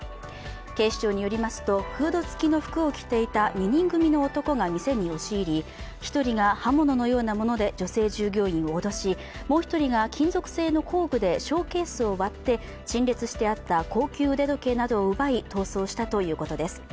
警視庁によりますと、フードつきの服を着ていた２人組の男が店に押し入り１人が刃物のようなもので女性従業員を脅しもう１人が金属製の工具でショーケースを割って陳列してあった高級腕時計などを奪い逃走したということです。